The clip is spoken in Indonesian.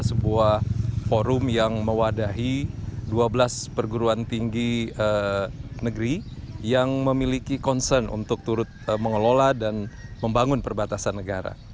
sebuah forum yang mewadahi dua belas perguruan tinggi negeri yang memiliki concern untuk turut mengelola dan membangun perbatasan negara